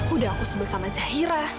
udah aku sebut sama zahira